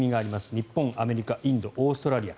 日本、アメリカ、インドオーストラリア。